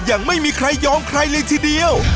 ยังไม่มีใครยอมใครเลยทีเดียว